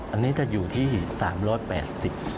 อันนี้จะอยู่ที่๓๘๐บาท